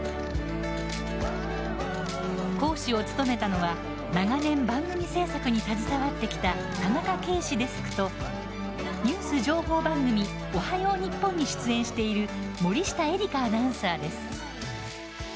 講師を務めたのは長年、番組制作に携わってきた田中啓志デスクとニュース情報番組「おはよう日本」に出演している森下絵理香アナウンサーです。